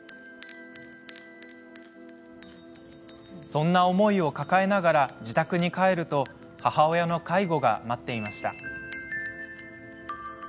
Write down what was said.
そんな思いを抱えながら自宅に帰ると母親の介護が待っていました。